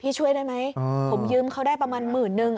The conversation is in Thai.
ช่วยได้ไหมผมยืมเขาได้ประมาณหมื่นนึง